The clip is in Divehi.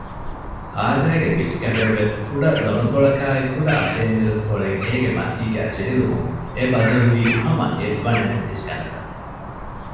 އާދައިގެ ބިސްގަނޑެއްވެސް ކުޑަ ލޮނުކޮޅަކާއި ކުޑަ އަސޭމިރުސްކޮޅެއް އޭގެ މަތީގައި ޖެހިލުމުން އެ ބަދަލުވީ ހަމަ އެއްވަނައިގެ ބިސްގަނޑަކަށް